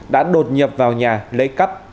đã đột nhập vào nhà lấy cắp